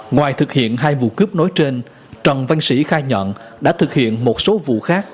ngoài thực hiện hai vụ cướp nói trên trần văn sĩ khai nhận đã thực hiện một số vụ khác